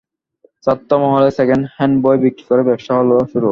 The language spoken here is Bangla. ছাত্রমহলে সেকেন্ড-হ্যান্ড বই বিক্রি করে ব্যাবসা হল শুরু।